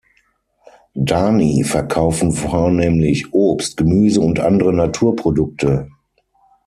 Dani verkaufen vornehmlich Obst, Gemüse und andere Naturprodukte.